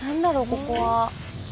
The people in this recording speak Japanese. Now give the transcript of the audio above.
ここは？